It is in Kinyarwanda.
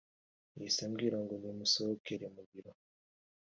yahise ambwira ngo nimusohokere mu biro